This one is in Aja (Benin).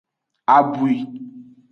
Abwi.